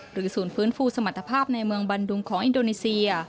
ศูนย์ฟื้นฟูสมรรถภาพในเมืองบันดุงของอินโดนีเซีย